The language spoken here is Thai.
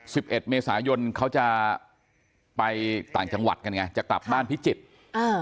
เอ็ดเมษายนเขาจะไปต่างจังหวัดกันไงจะกลับบ้านพิจิตรอ่า